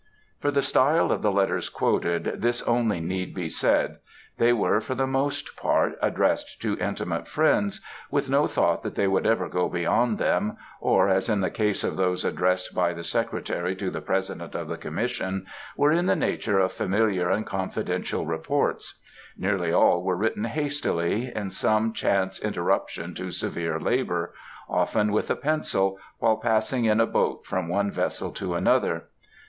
For the style of the letters quoted, this only need be said: they were, for the most part, addressed to intimate friends, with no thought that they could ever go beyond them, or, as in the case of those addressed by the Secretary to the President of the Commission, were in the nature of familiar and confidential reports; nearly all were written hastily, in some chance interruption to severe labor,—often with a pencil, while passing in a boat from one vessel to another.